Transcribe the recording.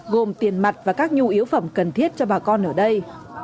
gồm tiền mặt và các nhu yếu phẩm cần thiết cho bà con ở đây